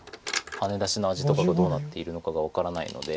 ハネ出しの味とかがどうなっているのかが分からないので。